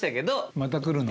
また来るの？